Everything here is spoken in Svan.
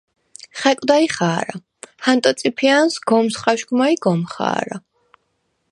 “ხა̈კვდა̄-ჲ ხა̄რა! ჰანტო წიფია̄ნს გომს ხაშგვმა ი გომ ხა̄რა!”